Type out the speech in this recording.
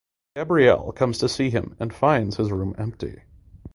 Gabrielle comes to see him and finds his room empty.